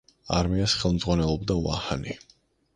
არმიას ხელმძღვანელობდა ვაჰანი.